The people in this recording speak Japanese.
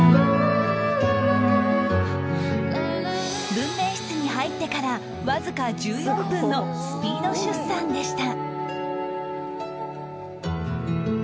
分娩室に入ってからわずか１４分のスピード出産でした